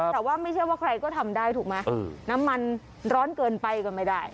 แต่ว่าไม่ใช่ว่าใครก็ทำได้ถูกไหมน้ำมันร้อนเกินไปก็ไม่ได้